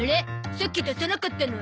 さっき出さなかったの？